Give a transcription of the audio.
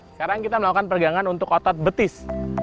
sekarang kita melakukan pergangan untuk otot betis